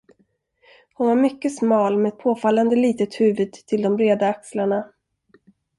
Hon var mycket smal med ett påfallande litet huvud till de breda axlarna.